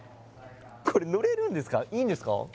これ乗れるんですかいいんですか？